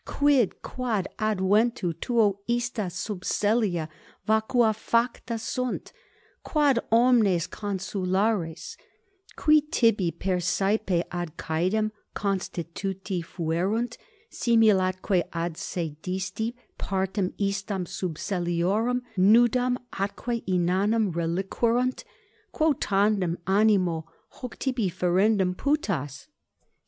Quid, quod adventu tuo ista subsellia vacuefacta sunt, quod omnes consulares, qui tibi persaepe ad caedem constituti fuerunt, simul atque adsedisti, partem istam subselliorum nudam atque inanem reliquerunt, quo tandem animo hoc tibi ferendum putas?